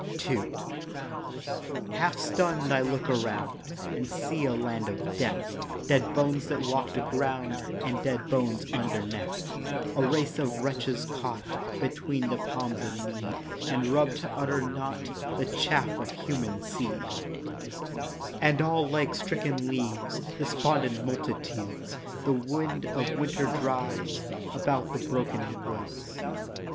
II Half stun'd I look around And see a land of death— Dead bones that walk the ground And dead bones underneath; A race of wretches caught Between the palms of Need And rub'd to utter naught, The chaff of human seed; And all like stricken leaves, Despondent multitudes The wind of winter drives About the broken woods.